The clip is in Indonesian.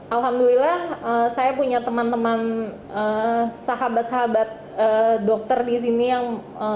alhamdulillah saya punya teman teman sahabat sahabat dokter di sini yang